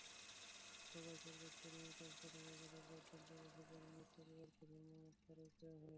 সভায় সর্বোচ্চ রেমিট্যান্স পাঠানো জেলার পাঁচজন প্রবাসী কর্মীর পরিবারকে সম্মাননা স্মারক দেওয়া হয়।